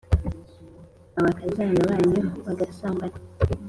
abakazana banyu bagasambana.